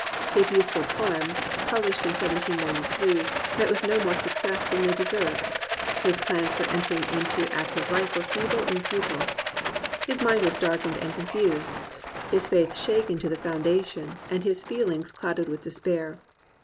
His youthful poems, published in 1793, met with no more success than they deserved. His plans for entering into active life were feeble and futile. His 198 THE RECOVERY OF JOY mind was darkened and confused, his faith shaken to the foundation, and his feelings clouded with despair.